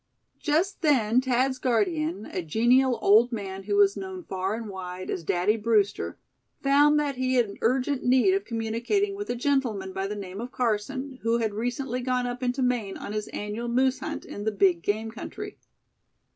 Just then Thad's guardian, a genial old man who was known far and wide as "Daddy," Brewster, found that he had urgent need of communicating with a gentleman by the name of Carson, who had recently gone up into Maine on his annual moose hunt in the big game country.